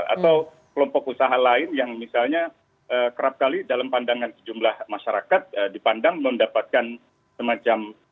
atau kelompok usaha lain yang misalnya kerap kali dalam pandangan sejumlah masyarakat dipandang mendapatkan semacam